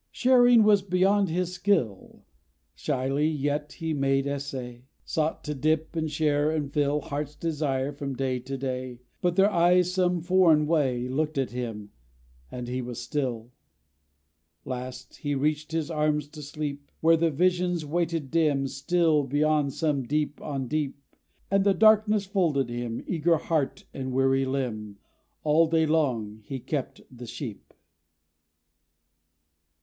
Sharing was beyond his skill; Shyly yet, he made essay: Sought to dip, and share, and fill Heart's desire, from day to day. But their eyes, some foreign way, Looked at him; and he was still. Last, he reached his arms to sleep, Where the Vision waited, dim, Still beyond some deep on deep. And the darkness folded him, Eager heart and weary limb. All day long, he kept the sheep.